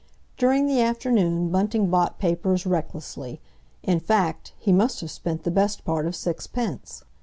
During the afternoon Bunting bought papers recklessly—in fact, he must have spent the best part of six pence.